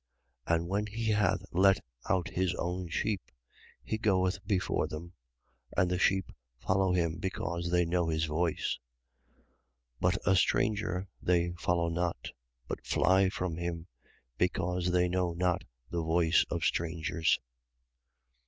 10:4. And when he hath let out his own sheep, he goeth before them: and the sheep follow him, because they know his voice. 10:5. But a stranger they follow not, but fly from him, because they know not the voice of strangers.